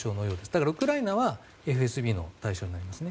だからウクライナはＦＳＢの対象になります。